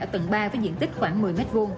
tầng ba với diện tích khoảng một mươi m hai